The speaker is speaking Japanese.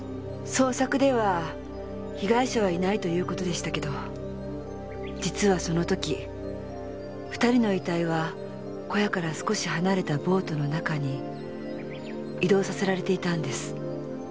捜索では被害者はいないという事でしたけど実はその時２人の遺体は小屋から少し離れたボートの中に移動させられていたんです。